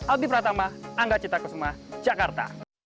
albi pratama angga cita kusuma jakarta